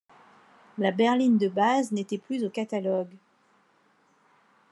La Berline de base n'était plus au catalogue.